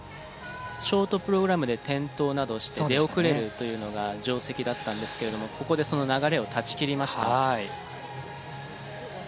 ショートプログラムで転倒などをして出遅れるというのが定石だったんですけれどもここでその流れを断ち切りました。